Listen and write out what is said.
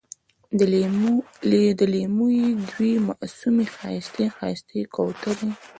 د لېمو یې دوې معصومې ښایستې، ښایستې کوترې